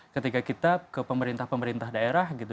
ketika kita ke pemerintah pemerintah daerah gitu